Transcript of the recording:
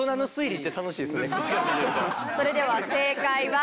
それでは正解は。